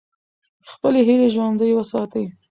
خپلې هیلې ژوندۍ وساتئ.